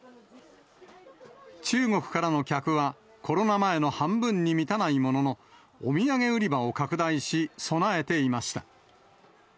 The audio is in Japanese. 中国からの客はコロナ前の半分に満たないものの、お土産売り場を拡大し、備えていました。